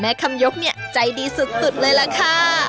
คำยกเนี่ยใจดีสุดเลยล่ะค่ะ